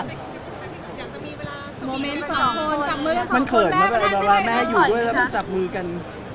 มันเขินแม่อยู่ด้วยแล้วมันจับมือกัน